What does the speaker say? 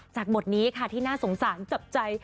บทนี้ค่ะที่น่าสงสารจับใจ